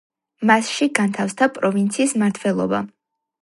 მასში განთავსდა პროვინციის მმართველობა.